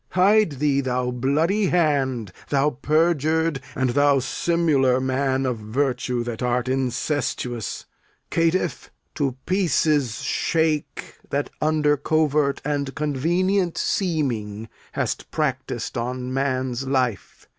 Hide thee, thou bloody hand; Thou perjur'd, and thou simular man of virtue That art incestuous. Caitiff, in pieces shake That under covert and convenient seeming Hast practis'd on man's life.